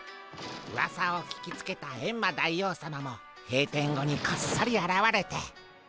うわさを聞きつけたエンマ大王さまも閉店後にこっそりあらわれて。